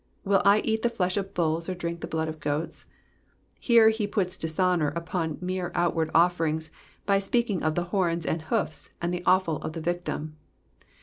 *' Will I eat the flesh of bulls, or drink the blood of goats ?'' Here he puts dishonour upon mere outward offerings by speaking of the horns and hoofs, the offal of the victim.